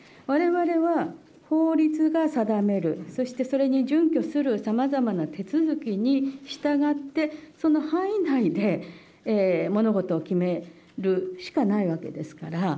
われわれは、法律が定める、そしてそれに準拠するさまざまな手続きに従って、その範囲内で物事を決めるしかないわけですから。